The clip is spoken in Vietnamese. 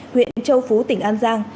huyện châu phú tỉnh an giang